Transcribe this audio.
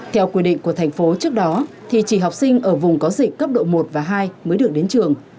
theo quy định của thành phố trước đó thì chỉ học sinh ở vùng có dịch cấp độ một và hai mới được đến trường